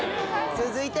続いて。